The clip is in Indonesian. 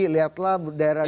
lihatlah daerah daerah ini